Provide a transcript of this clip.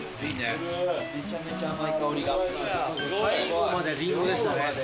いいね。